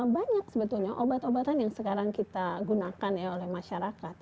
banyak sebetulnya obat obatan yang sekarang kita gunakan ya oleh masyarakat